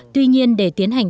tuy nhiên để tiến hành